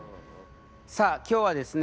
さあ今日はですね